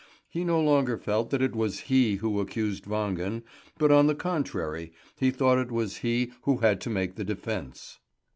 He no longer felt that it was he who accused Wangen, but on the contrary he thought it was he who had to make the defence.